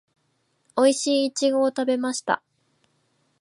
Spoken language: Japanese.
おいしいイチゴを食べました